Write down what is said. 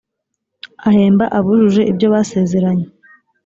ahemba abujuje ibyobasezeranye.